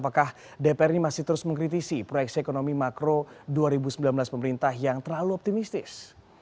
apakah dpr ini masih terus mengkritisi proyeksi ekonomi makro dua ribu sembilan belas pemerintah yang terlalu optimistis